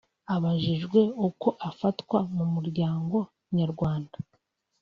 Abajijwe uko afatwa mu muryango nyarwanda